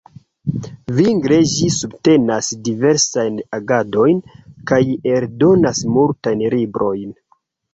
Vigle ĝi subtenas diversajn agadojn kaj eldonas multajn librojn.